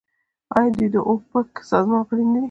آیا دوی د اوپک سازمان غړي نه دي؟